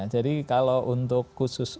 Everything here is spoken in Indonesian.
jadi kalau untuk khusus